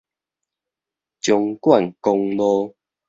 縱貫公路